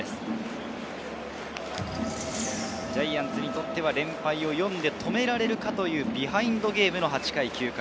ジャイアンツにとっては連敗を４で止められるかというビハインドゲームの８回、９回。